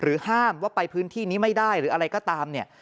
ห้ามว่าไปพื้นที่นี้ไม่ได้หรืออะไรก็ตามเนี่ย